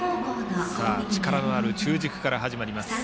力のある中軸から始まります。